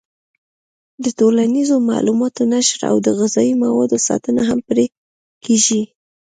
د ټولنیزو معلوماتو نشر او د غذایي موادو ساتنه هم پرې کېږي.